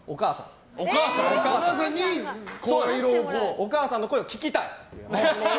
お母さんの声を聞きたい。